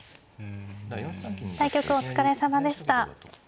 対局お疲れさまでした。